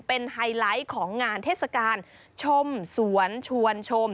เป็นไฮไลท์ของงานเทศกาลชมสวนชวนชม